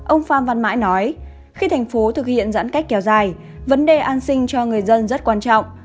ông phan văn mãi nói khi thành phố thực hiện giãn cách kéo dài vấn đề an sinh cho người dân rất quan trọng